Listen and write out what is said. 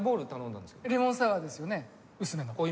レモンサワーですよね。